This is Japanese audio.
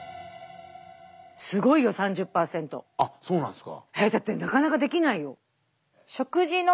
あっそうなんすか。